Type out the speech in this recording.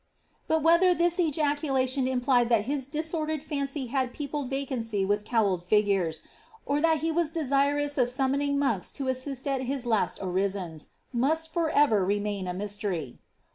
But whetiier this ejaculation implied that his disoniered fancy had peo pled vacanry with cowled figures, or that he was desirous of sammon ing monks to assist at his last orisons, must for ever remain a mystery.